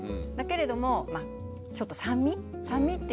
だけれどもちょっと酸味？